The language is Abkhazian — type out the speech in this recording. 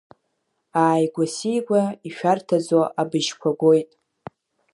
Ааигәа-сигәа ишәарҭаӡо абыжьқәа гоит…